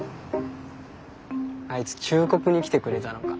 あいつ忠告に来てくれたのか。